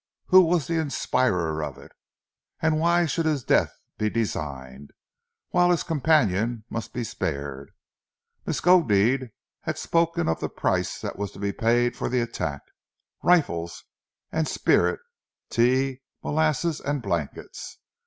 Who was the inspirer of it, and why should his death be designed, whilst his companion must be spared? Miskodeed had spoken of the price that was to be paid for the attack rifles and spirit, tea, molasses and blankets.